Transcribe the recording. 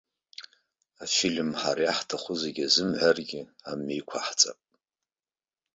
Афильм ҳара иаҳҭаху зегьы азымҳәаргьы амҩа иқәаҳҵап.